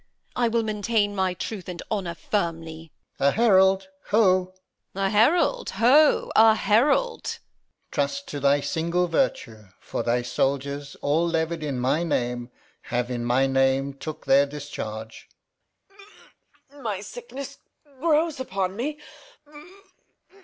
I will maintain My truth and honour firmly. Alb. A herald, ho! Edm. A herald, ho, a herald! Alb. Trust to thy single virtue; for thy soldiers, All levied in my name, have in my name Took their discharge. Reg. My sickness grows upon me.